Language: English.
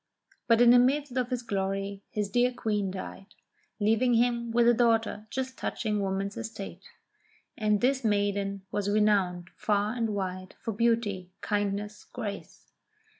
But in the midst of his glory his dear Queen died, leaving him with a daughter just touching woman's estate ; and this maiden was renowned, far and wide, for beauty, kindness, grace.